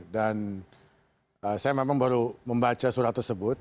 dan saya memang baru membaca surat tersebut